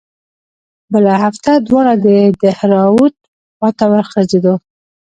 بله هفته دواړه د دهراوت خوا ته وخوځېدو.